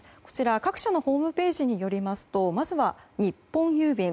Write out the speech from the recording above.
各社のホームページによりますとまずは日本郵便